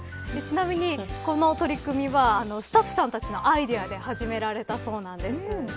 ちなみに、この取り組みはスタッフさんたちのアイデアで始められたそうなんです。